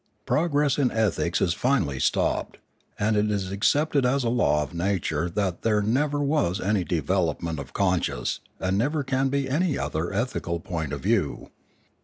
Progress in ethics is finally stopped, and it is accepted as a law of nature that there never was any development of conscience and never can be any other ethical point of view.